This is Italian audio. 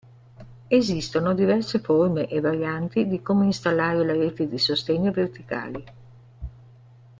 Esistono diverse forme e varianti di come installare la rete di sostegno verticali.